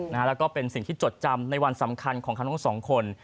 แล้วก็เป็นสิ่งที่จดจำในวันสำคัญของเขาทั้งสองคน